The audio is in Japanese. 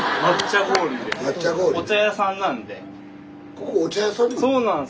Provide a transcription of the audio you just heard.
ここお茶屋さんなの？